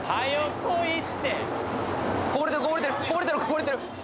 来いってこぼれてるこぼれてるこぼれてる